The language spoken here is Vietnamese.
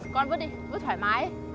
con vứt đi vứt thoải mái